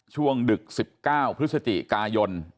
ดึก๑๙พฤศจิกายน